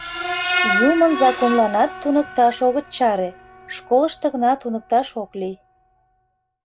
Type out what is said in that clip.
— Юмын законланат туныкташ огыт чаре, школышто гына туныкташ ок лий.